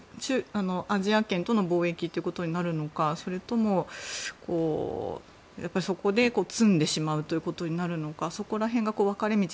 アジア圏との貿易ということになるのかそれとも、そこで詰んでしまうということになるのかそこら辺が分かれ